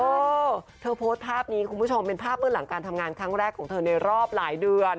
เออเธอโพสต์ภาพนี้คุณผู้ชมเป็นภาพเมื่อหลังการทำงานครั้งแรกของเธอในรอบหลายเดือน